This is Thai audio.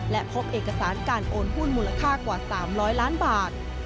และพบเอกสารการโอนหุ้นมูลค่ากว่า๓๐๐ล้านบาท